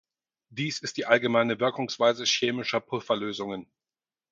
Dies ist die allgemeine Wirkungsweise chemischer Pufferlösungen.